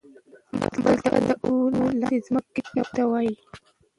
بل تل د اوبو لاندې ځمکې ته وايي.